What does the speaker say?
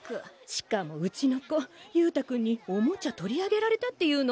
しかもうちの子勇太君にオモチャ取り上げられたって言うの。